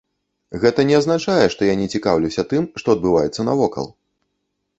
Гэта не азначае, што я не цікаўлюся тым, што адбываецца вакол.